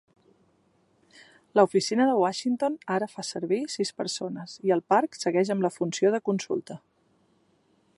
La oficina de Washington ara fa servir sis persones i el parc segueix amb la funció de consulta.